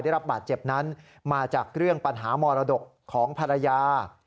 ได้รับบาดเจ็บนั้นมาจากเรื่องปัญหามรดกของภรรยา